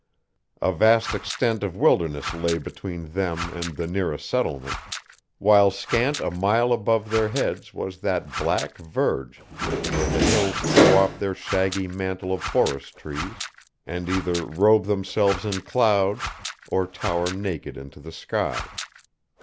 A vast extent of wilderness lay between them and the nearest settlement, while scant a mile above their heads was that black verge where the hills throw off their shaggy mantle of forest trees, and either robe themselves in clouds or tower naked into the sky.